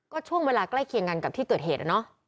ก็ช่วงเวลาใกล้เคียงกันกับที่เกิดเหตุ